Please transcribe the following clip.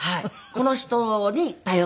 この人に頼っている。